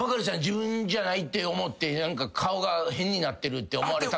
自分じゃないって思って顔が変になってるって思われ。